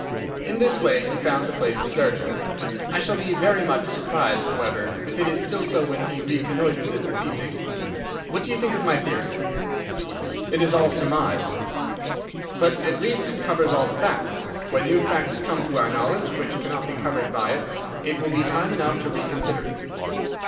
In this way he found the place deserted. I shall be very much surprised, however, if it is still so when he reconnoitres it this evening. What do you think of my theory?" "It is all surmise." "But at least it covers all the facts. When new facts come to our knowledge which cannot be covered by it, it will be time enough to reconsider it.